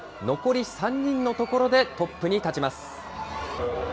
残り３人のところでトップに立ちます。